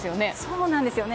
そうなんですよね。